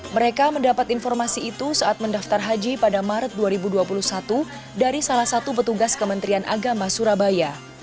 mereka mendapat informasi itu saat mendaftar haji pada maret dua ribu dua puluh satu dari salah satu petugas kementerian agama surabaya